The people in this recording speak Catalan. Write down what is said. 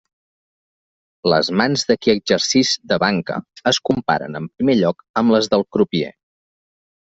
Les mans de qui exercix de banca es comparen en primer lloc amb les del crupier.